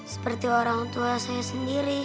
seperti orang tua saya sendiri